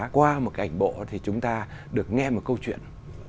qua một cái ảnh bộ thì chúng ta được nghe một câu chuyện